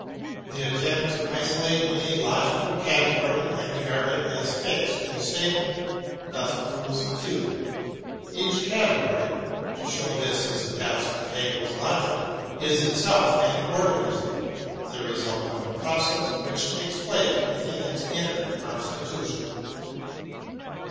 The attempt to isolate any logical category and regard it as fixed and stable thus proves futile. Each category — to show this is the task of Hegel's Logic — is itself an organ ism, the result of a process which takes place within its inner constitution.